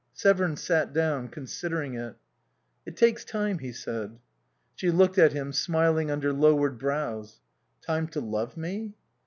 Severn sat down, considering it. "It takes time," he said. She looked at him, smiling under lowered brows. "Time to love me?"